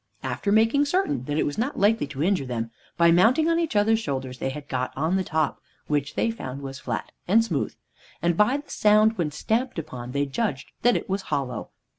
After making certain that it was not likely to injure them, by mounting on each other's shoulders they had got on the top, which they found was flat and smooth, and, by the sound when stamped upon, they judged that it was hollow.